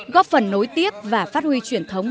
góp phần nối tiếp và phát huy truyền thống